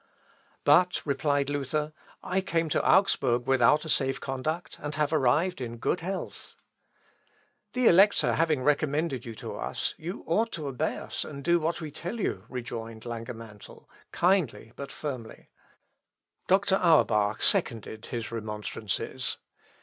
"But," replied Luther, "I came to Augsburg without a safe conduct, and have arrived in good health." "The Elector having recommended you to us, you ought to obey us, and do what we tell you," rejoined Langemantel, kindly but firmly. Dr. Auerbach seconded his remonstrances.